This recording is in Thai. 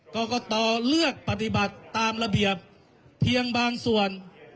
กรกตเลือกปฏิบัติตามระเบียบเพียงบางส่วน